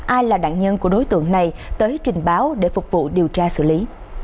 ai là nạn nhân của đối tượng này tới trình báo để phục vụ điều tra xử lý